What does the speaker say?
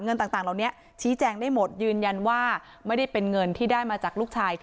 เงินต่างเหล่านี้ชี้แจงได้หมดยืนยันว่าไม่ได้เป็นเงินที่ได้มาจากลูกชาย